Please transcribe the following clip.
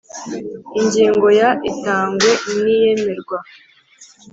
Ingingo ya Itangwa n iyemerwa